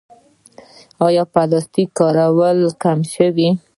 آیا د پلاستیک کارول کم شوي؟